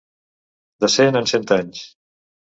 De cent en cent anys.